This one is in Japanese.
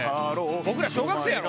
僕ら小学生やぞ。